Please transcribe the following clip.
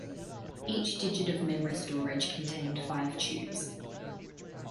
Each digit of memory storage contained five tubes.